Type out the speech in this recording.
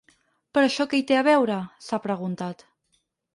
Però això què hi té a veure?, s’ha preguntat.